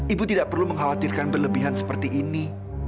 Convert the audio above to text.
ibu tidak perlu mengkhawatirkan berlebihan seperti ini